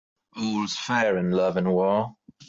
All's fair in love and war.